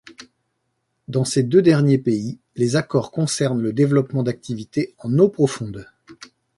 Dans ces deux derniers pays, les accords concernent le développement d'activités en eaux profondes.